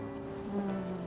うん。